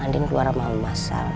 andin keluar sama masal